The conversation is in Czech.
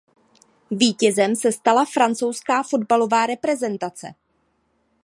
Vítězem se stala francouzská fotbalová reprezentace.